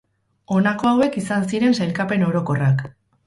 Honako hauek izan ziren sailkapen orokorrak.